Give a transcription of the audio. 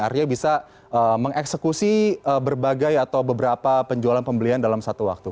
artinya bisa mengeksekusi berbagai atau beberapa penjualan pembelian dalam satu waktu